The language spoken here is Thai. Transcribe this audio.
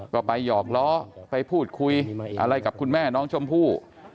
ก็ไปหยอกล้อไปพูดคุยอะไรกับคุณแม่น้องชมพู่